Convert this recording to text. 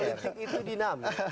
politik itu dinamis